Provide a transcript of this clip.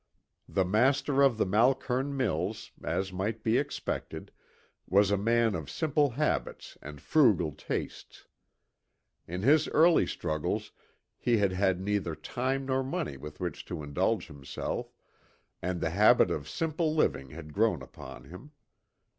The master of the Malkern mills, as might be expected, was a man of simple habits and frugal tastes. In his early struggles he had had neither time nor money with which to indulge himself, and the habit of simple living had grown upon him.